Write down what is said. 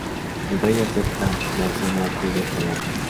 El rey acepta y la anciana acude por la noche.